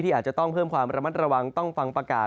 อาจจะต้องเพิ่มความระมัดระวังต้องฟังประกาศ